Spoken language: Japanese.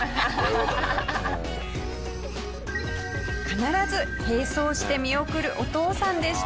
必ず並走して見送るお父さんでした。